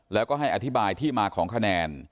แล้วก็ให้อธิบายที่มาของคะแนน